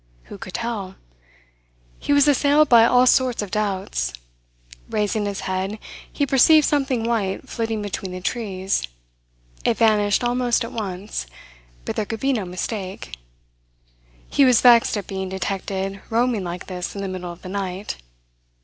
Who could tell? He was assailed by all sorts of doubts. Raising his head, he perceived something white flitting between the trees. It vanished almost at once; but there could be no mistake. He was vexed at being detected roaming like this in the middle of the night.